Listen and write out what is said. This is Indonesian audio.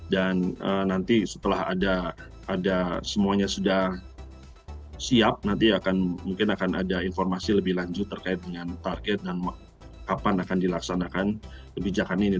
dan nanti setelah ada semuanya sudah siap nanti mungkin akan ada informasi lebih lanjut terkait dengan target dan kapan akan dilaksanakan kebijakan ini